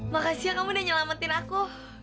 makasih ya kamu udah nyelamatin aku